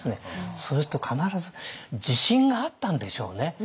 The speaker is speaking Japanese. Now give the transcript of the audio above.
それと必ず自信があったんでしょうね。